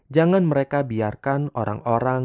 jangan mereka biarkan orang orang